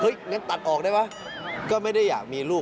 งั้นตัดออกได้วะก็ไม่ได้อยากมีลูก